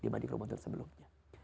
dibanding ramadan sebelumnya